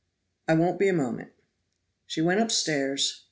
"I won't be a moment." She went upstairs.